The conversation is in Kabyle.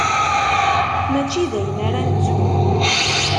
Mačči dayen ara nettu.